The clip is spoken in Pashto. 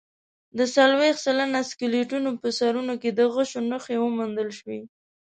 د څلوېښت سلنه سکلیټونو په سرونو کې د غشو نښې وموندل شوې.